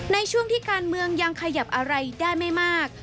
ในช่วงที่การเมืองยังขยับอะไรได้ไม่มาก